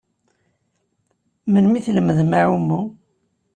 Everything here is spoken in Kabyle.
Melmi i tlemdem aɛummu?